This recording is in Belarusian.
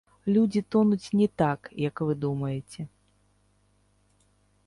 Людзі тонуць не так, як вы думаеце.